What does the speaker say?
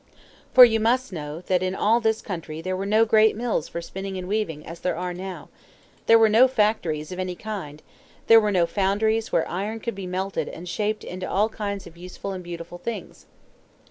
For you must know that in all this country there were no great mills for spinning and weaving as there are now; there were no factories of any kind; there were no foundries where iron could be melted and shaped into all kinds of useful and beautiful things.